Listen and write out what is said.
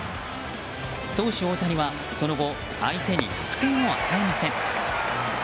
投手・大谷はその後相手に得点を与えません。